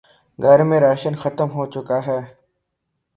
گھر میں راشن ختم ہو چکا ہے